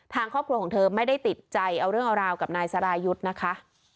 ทางครอบครัวของเธอไม่ได้ติดใจเอาเรื่องเอาราวกับนายสรายุทธ์นะคะ